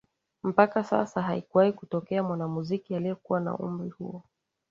Mpaka sasa haikuwahi kutokea mwanamuziki aliyekuwa na umri huo